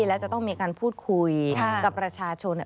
และจะต้องมีการพูดคุยกับประชาชน